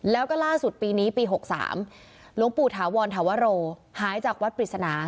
แล้วก็ล่าสุดปีนี้ปี๖๓หลวงปู่ถาวรธาวโรหายจากวัดปริศนา